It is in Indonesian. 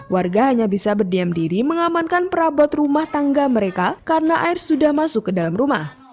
warga hanya bisa berdiam diri mengamankan perabot rumah tangga mereka karena air sudah masuk ke dalam rumah